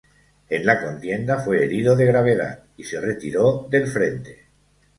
En la contienda, fue herido de gravedad y se retiró del frente.